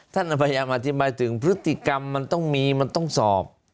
ท่านพยายามอธิบายถึงพฤติกรรมมันต้องมีมันต้องสอบ